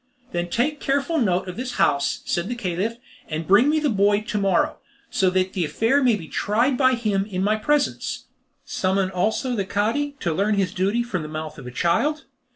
"Then take careful note of this house," said the Caliph, "and bring me the boy to morrow, so that the affair may be tried by him in my presence. Summon also the Cadi, to learn his duty from the mouth of a child.